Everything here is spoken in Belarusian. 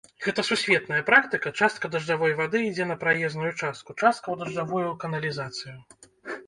Гэта сусветная практыка, частка дажджавой вады ідзе на праезную частку, частка ў дажджавую каналізацыю.